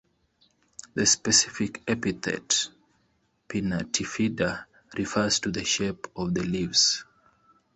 The specific epithet ("pinnatifida") refers to the shape of the leaves.